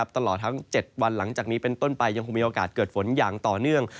ตลอดทั้ง๗วันหลังจากนี้เป็นต้นไปยังคงมีโอกาสเกิดฝนอย่างต่อเนื่อง